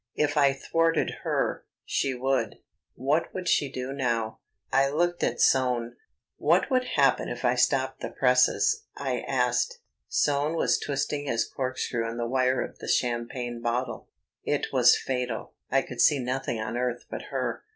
If I thwarted her she would ... what would she do now? I looked at Soane. "What would happen if I stopped the presses?" I asked. Soane was twisting his corkscrew in the wire of the champagne bottle. It was fatal; I could see nothing on earth but her.